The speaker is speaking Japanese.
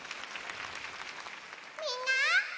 みんな！